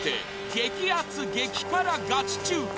激アツ・激辛ガチ中華！